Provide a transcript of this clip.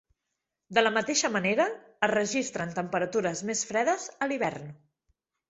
De la mateixa manera, es registren temperatures més fredes a l'hivern.